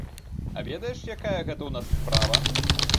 А ведаеш, якая гэта ў нас справа?